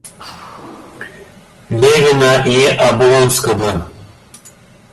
Левина и Облонского.